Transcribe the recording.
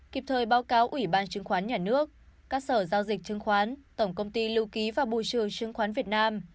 kịp thời báo cáo ủy ban chứng khoán nhà nước các sở giao dịch chứng khoán tổng công ty lưu ký và bù trương khoán việt nam